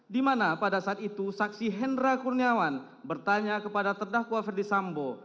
dimana pada saat itu saksi hendra kurniawan bertanya kepada terdakwa ferdi sambo